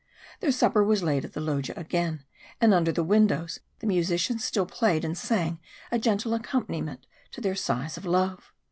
Their supper was laid in the loggia again, and under the windows the musicians still played and sang a gentle accompaniment to their sighs of love.